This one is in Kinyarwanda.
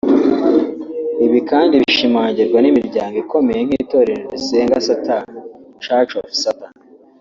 Ibi kandi bishimangirwa n’imiryango ikomeye nk’itorero risenga Satani ‘’Church of Satan’’